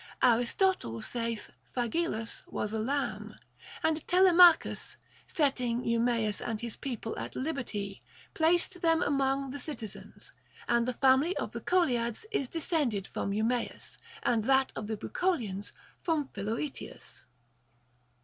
Aristotle saith phagilus was a lamb. And Telemachus, setting Eumaeus and his people at lib erty, placed them among the citizens ; and the family of the Coliads is descended from Eumaeus, and that of the Bucolians from Philoetius.